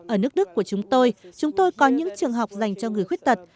ở nước đức của chúng tôi chúng tôi có những trường học dành cho người khuyết tật